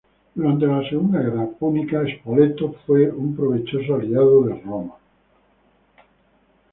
Durante la segunda guerra púnica, Spoleto fue un provechoso aliado de Roma.